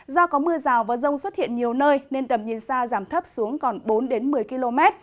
do có mưa rào và rông xuất hiện nhiều nơi nên tầm nhìn xa giảm thấp xuống còn bốn một mươi km